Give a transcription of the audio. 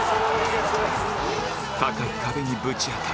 高い壁にぶち当たり